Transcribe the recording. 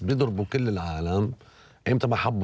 มีใครต้องจ่ายค่าคุมครองกันทุกเดือนไหม